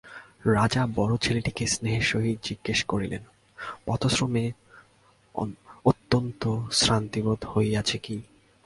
রাজা বড়ো ছেলেটিকে স্নেহের সহিত জিজ্ঞাসা করিলেন, পথশ্রমে অত্যন্ত শ্রান্তিবোধ হইয়াছে কি?